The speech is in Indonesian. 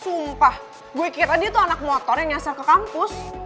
sumpah gue kira dia tuh anak motor yang nyasar ke kampus